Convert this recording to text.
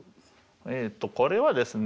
えっとこれはですね